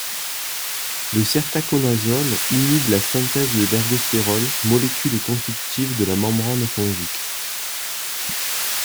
Le sertaconazole inhibe la synthèse de l'ergostérol, molécule constitutive de la membrane fongique.